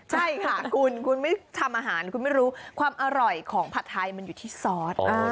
ใช่ค่ะคุณคุณไม่ทำอาหารคุณไม่รู้ความอร่อยของผัดไทยมันอยู่ที่ซอส